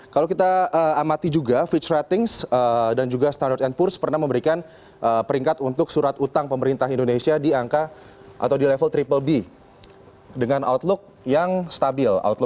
kalau kita amati juga fitch ratings dan juga surat berharga negara ini artinya kalau kita membeli surat berharga negara kita ikut serta dalam pembangunan negara begitu